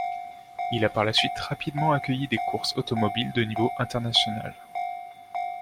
Il a par la suite rapidement accueilli des courses automobiles de niveau international.